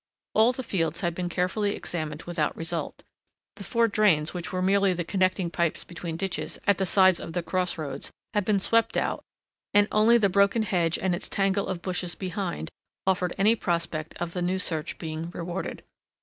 All the fields had been carefully examined without result, the four drains which were merely the connecting pipes between ditches at the sides of the crossroads had been swept out and only the broken hedge and its tangle of bushes behind offered any prospect of the new search being rewarded.